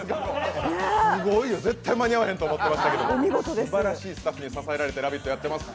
すごいよ、絶対間に合わへんと思ってましたけど、すばらしいスタッフに支えられて「ラヴィット！」やっております。